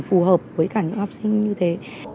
phù hợp với cả những học sinh như thế